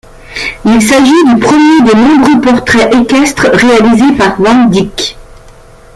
Il s'agit du premier des nombreux portraits équestres réalisés par Van Dyck.